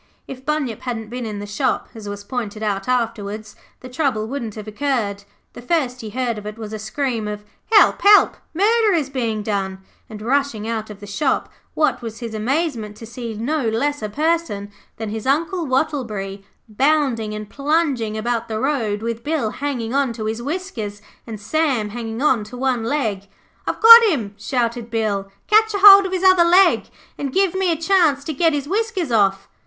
If Bunyip hadn't been in the shop, as was pointed out afterwards, the trouble wouldn't have occurred. The first he heard of it was a scream of 'Help, help, murder is being done!' and rushing out of the shop, what was his amazement to see no less a person than his Uncle Wattleberry bounding and plunging about the road with Bill hanging on to his whiskers, and Sam hanging on to one leg. 'I've got him,' shouted Bill. 'Catch a hold of his other leg and give me a chance to get his whiskers off.'